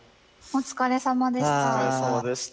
お疲れさまです。